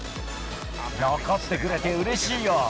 残ってくれてうれしいよ。